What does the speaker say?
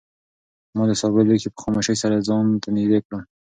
ما د سابو لوښی په خاموشۍ سره ځان ته نږدې کړ.